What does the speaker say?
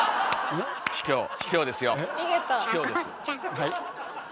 はい。